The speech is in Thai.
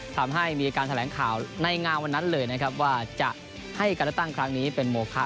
ทำให้มีการแถลงข่าวในงานวันนั้นเลยนะครับว่าจะให้การเลือกตั้งครั้งนี้เป็นโมคะ